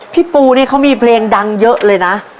พี่ปูนี่เขามีเพลงดังเยอะเลยนะ